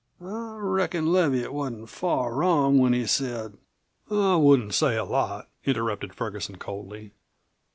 I reckon Leviatt wasn't far wrong when he said " "I wouldn't say a lot," interrupted Ferguson coldly.